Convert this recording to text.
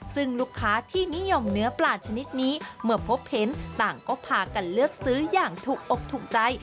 ซึ่งลูกค้าที่นิยมเนื้อปลาชนิดนี้เมื่อพบเห็นต่างก็พากันเลือกซื้ออย่างถูกอกถูกใจ